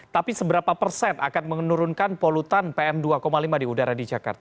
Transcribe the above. tapi seberapa persen akan menurunkan polutan pm dua lima di udara di jakarta